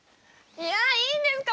いやいいんですか？